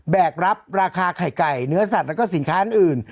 กรับราคาไข่ไก่เนื้อสัตว์แล้วก็สินค้าอื่น